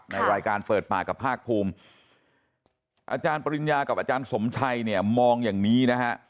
ในรายการเปิดปากกับภาคภูมิอาจารย์ปริญญากับอาจารย์สมชัยเนี่ยมองอย่างนี้นะฮะ